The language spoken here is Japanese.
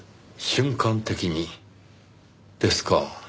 瞬間的にですか。